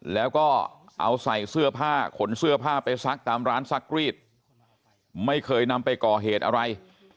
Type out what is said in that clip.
แล้วก็เอาใส่เสื้อผ้าขนเสื้อผ้าไปซักตามร้านซักรีดไม่เคยนำไปก่อเหตุอะไร